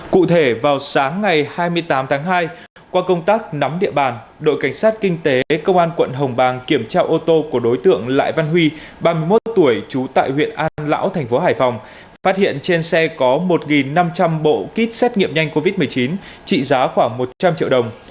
cụ thể vào sáng ngày hai mươi tám tháng hai qua công tác nắm địa bàn đội cảnh sát kinh tế công an quận hồng bàng kiểm tra ô tô của đối tượng lại văn huy ba mươi một tuổi trú tại huyện an lão thành phố hải phòng phát hiện trên xe có một năm trăm linh bộ kit xét nghiệm nhanh covid một mươi chín trị giá khoảng một trăm linh triệu đồng